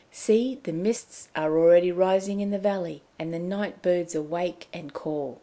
See! the mists are already rising in the valley, and the night birds awake and call.